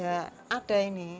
ya ada ini